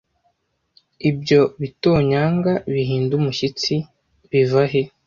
ibyo bitonyanga bihinda umushyitsi biva he